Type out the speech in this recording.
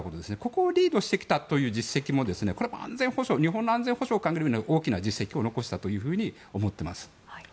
ここをリードしてきたという実績も日本の安全保障を鑑みるに大きな実績を残したと思っています。